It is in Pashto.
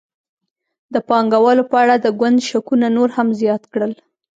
د پانګوالو په اړه د ګوند شکونه نور هم زیات کړل.